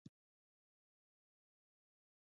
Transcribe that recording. د غوږ د خارش لپاره د غوږ څاڅکي وکاروئ